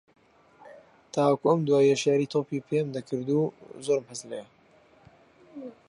تاوەکو ئەم دواییەش یاری تۆپی پێم دەکرد و زۆرم حەز لێییە